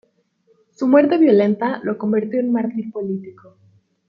Su muerte violenta lo convirtió en mártir político.